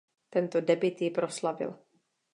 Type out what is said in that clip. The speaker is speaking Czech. Tento debut ji proslavil.